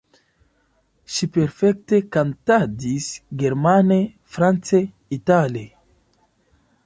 Ŝi perfekte kantadis germane, france, itale.